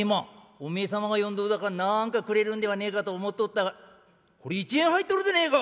お前様が呼んどるだからなんかくれるんではねえかと思っとったがこれ１円入っとるでねえか」。